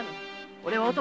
俺は男。